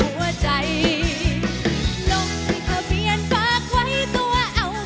หัวใจลงที่ทะเบียนฝากไว้ตัวเอา